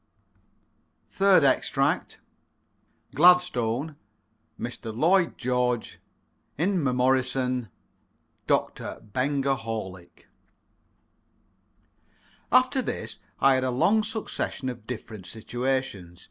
THIRD EXTRACT GLADSTONE MR. LLOYD GEORGE INMEMORISON DR. BENGER HORLICK. After this I had a long succession of different situations.